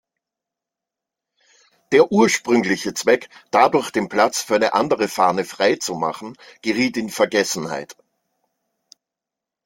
Der ursprüngliche Zweck, dadurch den Platz für eine andere Fahne freizumachen, geriet in Vergessenheit.